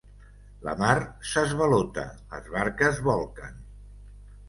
La mar s'esvalota, les barques bolquen.